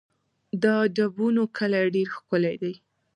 د ډبونو کلی ډېر ښکلی دی